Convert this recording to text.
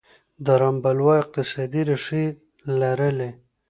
د رام بلوا اقتصادي ریښې لرلې.